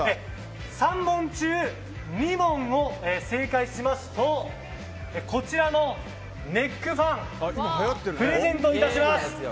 ３問中２問を正解しますとこちらのネックファンプレゼント致します。